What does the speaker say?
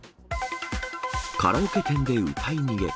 カラオケ店で歌い逃げ。